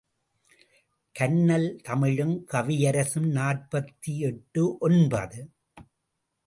கன்னல் தமிழும் கவியரசும் நாற்பத்தெட்டு ஒன்பது.